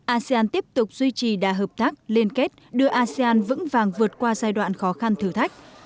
asean tiếp tục duy trì đa hợp tác liên kết đưa asean vững vàng vượt qua giai đoạn khó khăn thử thách